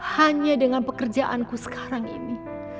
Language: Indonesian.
hanya dengan pekerjaanku sekarang ini